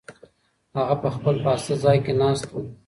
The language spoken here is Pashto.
هغه په خپل پاسته ځای کې ناست و.